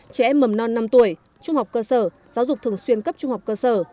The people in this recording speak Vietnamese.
trẻ em mầm non năm tuổi trung học cơ sở giáo dục thường xuyên cấp trung học cơ sở